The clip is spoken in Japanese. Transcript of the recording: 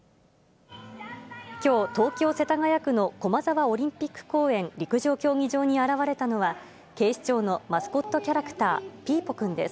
きょう、東京・世田谷区の駒沢オリンピック公園陸上競技場に現れたのは、警視庁のマスコットキャラクター、ピーポくんです。